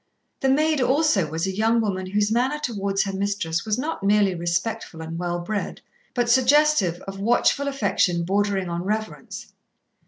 The maid also was a young woman whose manner towards her mistress was not merely respectful and well bred, but suggestive of watchful affection bordering on reverence.